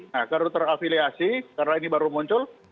nah karena terafiliasi karena ini baru muncul